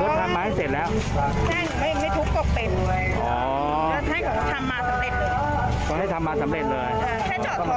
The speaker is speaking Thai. อะไรก็ทำมาให้เสร็จแล้วไม่ถูกกบเป็นเลยทำมาสำเร็จเลยทำมา